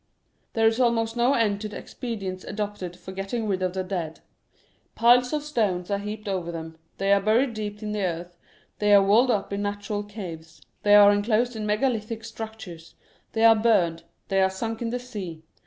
There is almost no end to the expedients adopted for getting rid of the dead. Piles of stones are heaped over them, they are buried deep in the earth, they are walled up in natural caves, they are enclosed in megalithic structures, they are burned, they are sunk in the sea.